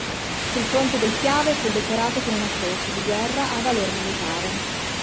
Sul fronte del Piave fu decorato con una Croce di guerra al valor militare.